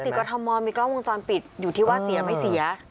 ปกติกฏธมอลมีกล้องวงจรปิดอยู่ที่ว่าเสียหรือไม่เสีย